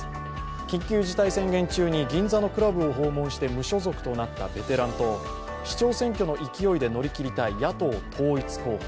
緊急事態宣言中に銀座のクラブを訪問して無所属となったベテランと市長選挙の勢いで乗り切りたい野党統一候補。